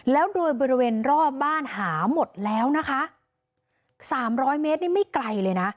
แล้วโดยบริเวณรอบบ้านหาหมดแล้วนะคะสามร้อยเมตรนี่ไม่ไกลเลยนะ